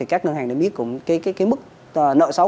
các ngân hàng đã biết cũng mức nợ xấu